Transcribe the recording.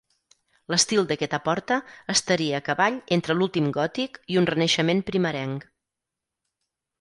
L'estil d'aquesta porta estaria a cavall entre l'últim gòtic i un renaixement primerenc.